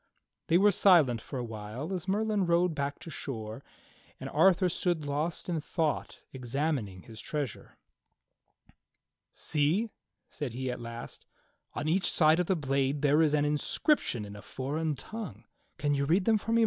They were silent for a while as Merlin rowed back to shore, and Arthur stood lost in thought examining his treasure. "See," said he at last, "on each side of the blade there is an in scription in a foreign tongue. Can you read them for me.